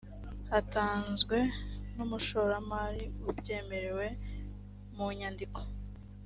atanzwe n’ umushoramari ubyemerewe mu nyandiko